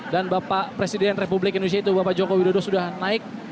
dan bapak presiden republik indonesia itu bapak joko widodo sudah naik